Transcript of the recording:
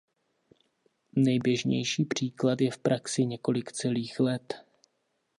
Nejběžnější příklad je v praxi několik celých let.